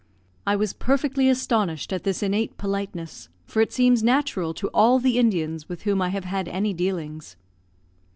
I was perfectly astonished at this innate politeness, for it seems natural to all the Indians with whom I have had any dealings.